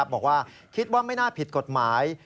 บอกว่าคิดว่าไม่น่าผิดกฎหมาย